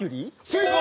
正解！